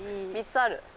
３つある。